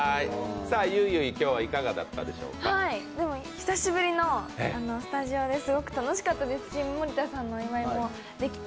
久しぶりのスタジオですごく楽しかったですし森田さんのお祝いもできて。